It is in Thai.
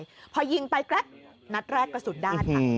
พี่ชายพอยิงไปนัดแรกกระสุนด้านค่ะ